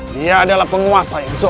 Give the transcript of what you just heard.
dia adalah penguasa yang